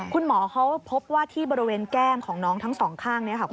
คุณหมอเขาพบว่าที่บริเวณแก้มของน้องทั้งสองข้างนี้ค่ะ